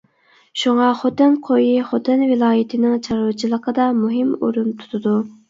شۇڭا خوتەن قويى خوتەن ۋىلايىتىنىڭ چارۋىچىلىقىدا مۇھىم ئورۇن تۇتىدۇ.